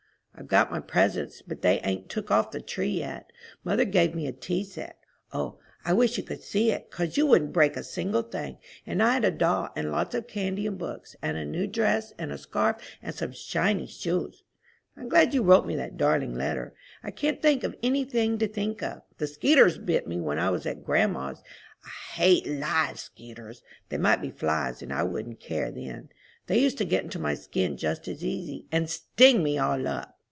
I've got my presents, but they ain't took off the tree yet. Mother gave me a tea set. O, I wish you could see it, 'cause you wouldn't break a single thing. And I had a doll, and lots of candy and books, and a new dress, and a scarf, and some shiny shoes. I'm glad you wrote me that darling letter. I can't think of any thing to think of. The skeeters bit me when I was to grandma's. I hate live skeeters. They might be flies, and I wouldn't care then. They used to get into my skin just as easy, and sting me all up.